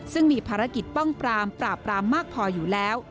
ซึ่งมีภารกิจป้องปรามปราบปรามมากพออยู่แล้ว